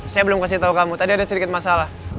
saya belum kasih tahu kamu tadi ada sedikit masalah